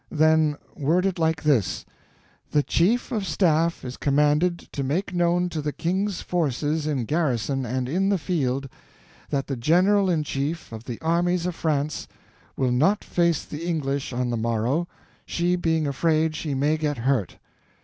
"Then word it like this: 'The chief of staff is commanded to make known to the King's forces in garrison and in the field, that the General in Chief of the Armies of France will not face the English on the morrow, she being afraid she may get hurt.